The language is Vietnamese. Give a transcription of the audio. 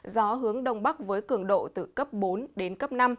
gió hướng đông bắc với cường độ từ cấp bốn đến cấp năm